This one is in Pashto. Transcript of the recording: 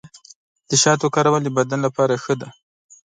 د شاتو کارول د بدن لپاره ښه دي.